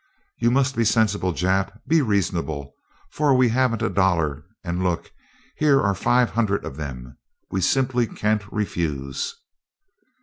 "You must be sensible, Jap. Be reasonable, for we haven't a dollar, and look here are five hundred of them! We simply can't refuse."